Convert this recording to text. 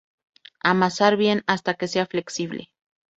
Amasar bien hasta que sea flexible.